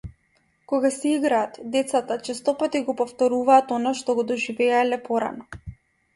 Кога си играат, децата честопати го повторуваат она што го доживеале порано.